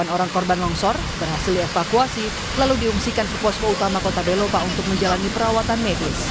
sembilan orang korban longsor berhasil dievakuasi lalu diungsikan ke posko utama kota belopa untuk menjalani perawatan medis